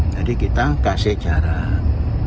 jadi kita kasih jarak